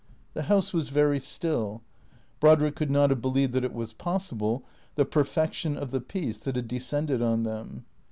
The house was very still, Brod rick could not have believed that it was possible, the perfection of the peace that had descended on them.